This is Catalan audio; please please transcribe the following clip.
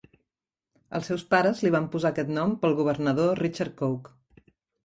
Els seus pares li van posar aquest nom pel governador Richard Coke.